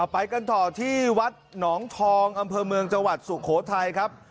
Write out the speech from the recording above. ไปกันต่อที่วัดหนองทองอำเภอเมืองจังหวัดสุโขทัยครับ